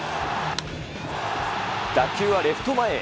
打球はレフト前へ。